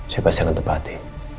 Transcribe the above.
saya pasti akan tepati